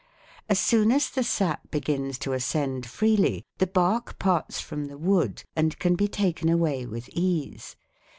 As soon as the sap begins to ascend freely the bark parts from the wood and can be taken away with ease.